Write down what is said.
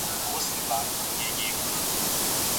لکه راغلی چي له خیبر یې